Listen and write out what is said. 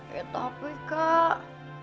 ya tapi kak